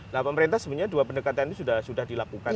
nah pemerintah sebenarnya dua pendekatan itu sudah dilakukan